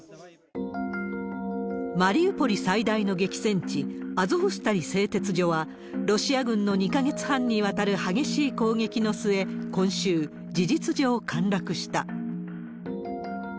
マリウポリ最大の激戦地、アゾフスタリ製鉄所は、ロシア軍の２か月半にわたる激しい攻撃の末、今週、事実上陥落した。